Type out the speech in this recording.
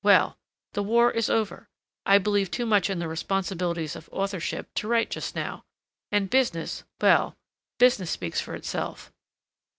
Well, the war is over; I believe too much in the responsibilities of authorship to write just now; and business, well, business speaks for itself.